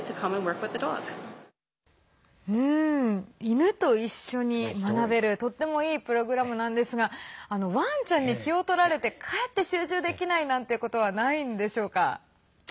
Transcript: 犬と一緒に学べるとってもいいプログラムなんですがワンちゃんに気をとられてかえって集中できないなんてことはないんでしょうか。